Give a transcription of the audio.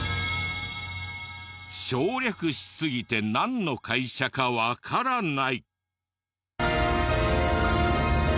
省略しすぎてなんの会社かわからない！